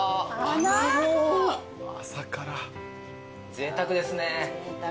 ぜいたくですね。